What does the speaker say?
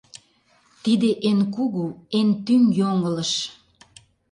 Тиде эн кугу, эн тӱҥ йоҥылыш.